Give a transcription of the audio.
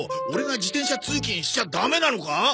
オレが自転車通勤しちゃダメなのか？